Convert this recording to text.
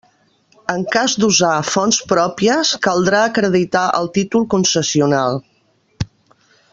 En cas d'usar fonts pròpies caldrà acreditar el títol concessional.